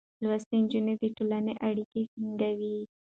لوستې نجونې د ټولنې اړيکې ټينګوي.